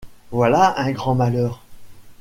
Voilà un grand malheur !